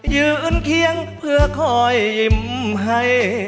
ยืนเคียงเพื่อคอยยิ้มให้